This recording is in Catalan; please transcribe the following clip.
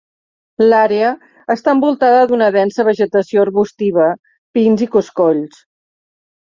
L'àrea està envoltada d'una densa vegetació arbustiva, pins i coscolls.